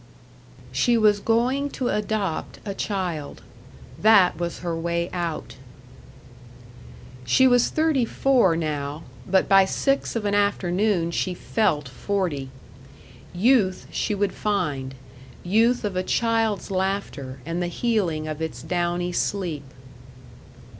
She was going to adopt a child. That was her way out. She was thirty four now, but by six of an afternoon she felt forty. Youth she would find youth of a child's laughter, and the healing of its downy sleep.